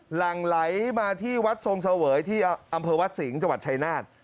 หลังไหลมาที่วัดทรงเสวยที่อำเภอวัดสิงห์จังหวัดชายนาฏ